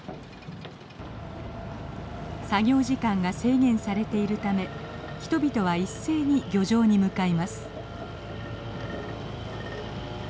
作業時間が制限されているため人々は一斉に漁場に向かいます。